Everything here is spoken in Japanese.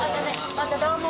またどうも。